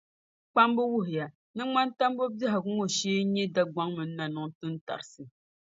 Kpamba wuhiya ni Ŋmantambo bɛhigu ŋɔ shee n-nyɛ Dagbɔŋ mini Nanuŋ tintarisi.